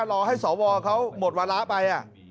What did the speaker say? รอให้สวเขาหมดวาระไป